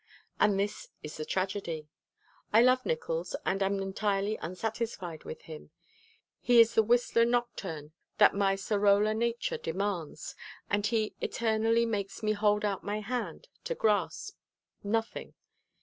And this is the tragedy. I love Nickols and am entirely unsatisfied with him. He is the Whistler nocturne that my Sorolla nature demands, and he eternally makes me hold out my hand to grasp nothing.